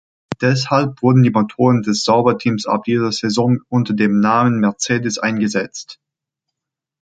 Deshalb wurden die Motoren des Sauber-Teams ab dieser Saison unter dem Namen Mercedes eingesetzt.